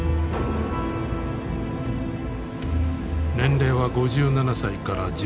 年齢は５７歳から１８歳。